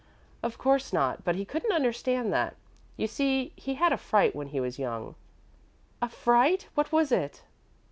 "Of course not; but he couldn't understand that. You see, he had a fright when he was young." "A fright? What was it?"